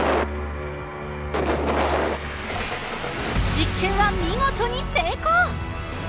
実験は見事に成功！